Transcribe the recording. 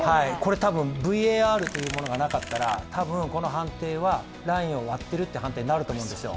たぶんＶＡＲというものがなかったら、この判定はラインを割っているという判定になると思うんですよ。